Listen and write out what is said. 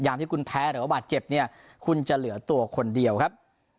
ที่คุณแพ้หรือว่าบาดเจ็บเนี่ยคุณจะเหลือตัวคนเดียวครับ